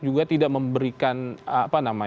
juga tidak memberikan